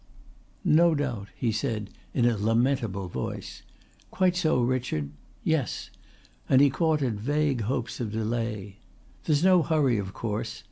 "No doubt," he said in a lamentable voice. "Quite so, Richard. Yes," and he caught at vague hopes of delay. "There's no hurry of course.